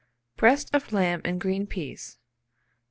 BREAST OF LAMB AND GREEN PEAS. 744.